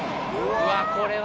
うわこれは。